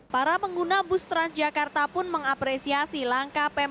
para pengguna bus transjakarta pun mengapresiasi langkah pemprov